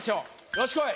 よしこい。